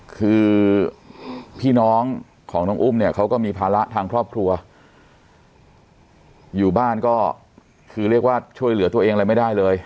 คือพี่น้องของน้องอุ้มเนี่ยเขาก็มีภาระทางครอบครัวอยู่บ้านก็คือเรียกว่าช่วยเหลือตัวเองอะไรไม่ได้เลย